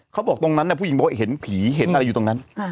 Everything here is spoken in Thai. เขาบอกตรงนั้นผู้หญิงบอกว่าเห็นผีเห็นอะไรอยู่ตรงนั้น